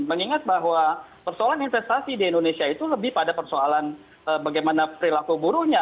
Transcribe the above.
mengingat bahwa persoalan investasi di indonesia itu lebih pada persoalan bagaimana perilaku buruhnya